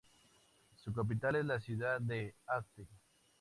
Su capital es la ciudad de Asti.